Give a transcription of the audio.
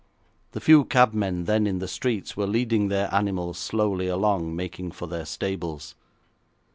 The few cabmen then in the streets were leading their animals slowly along, making for their stables.